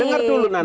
dengar dulu nana